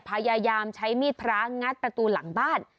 พยายามใช้มีดพระงัดประตูหลังบ้าน